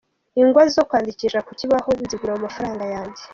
Ingwa zo kwandikisha ku kibaho nzigura mu mafaranga yanjye.